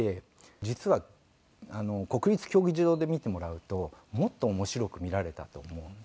実は国立競技場で見てもらうともっと面白く見られたと思うんですよね。